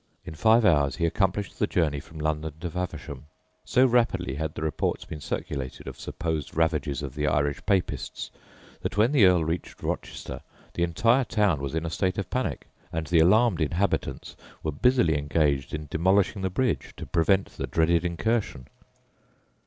In five hours he accomplished the journey from London to Faversham. So rapidly had the reports been circulated of supposed ravages of the Irish Papists, that when the Earl reached Rochester, the entire town was in a state of panic, and the alarmed inhabitants were busily engaged in demolishing the bridge to prevent the dreaded incursion.